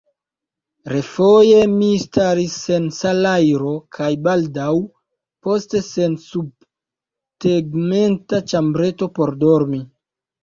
Refoje mi staris sen salajro, kaj baldaŭ poste sen subtegmenta ĉambreto por dormi.